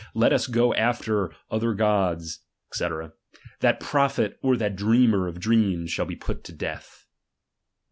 Let us go after other gods, Sf c. that prophet, or that dreamer of dreams shall he put to death.